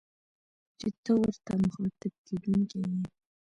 چي ته ورته مخاطب کېدونکی يې